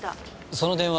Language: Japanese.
その電話